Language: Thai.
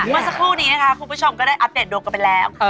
เมื่อสักครู่นี้นะคะคุณผู้ชมก็ได้อัปเดตดวงกันไปแล้ว